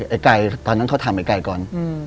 ไอ้ไก่ตอนนั้นเขาถามไอ้ไก่ก่อน